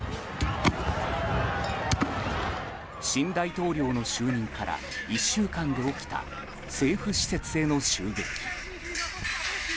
新大統領の就任から１週間で起きた政府施設への襲撃。